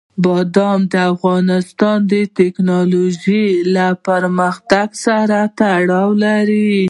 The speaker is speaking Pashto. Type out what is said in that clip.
بادام د افغانستان د تکنالوژۍ له پرمختګ سره تړاو لري.